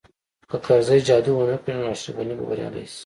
که کرزی جادو ونه کړي نو اشرف غني به بریالی شي